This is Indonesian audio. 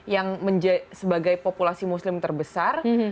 yang sebagai populasi muslim terbesar